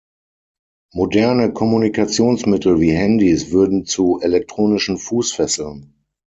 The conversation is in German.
Moderne Kommunikationsmittel wie Handys würden zu elektronischen Fußfesseln.